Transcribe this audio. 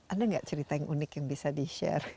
ada nggak cerita yang unik yang bisa di share